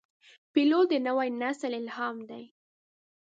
پیلوټ د نوي نسل الهام دی.